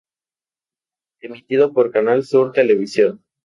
Emitido por Canal Sur Televisión.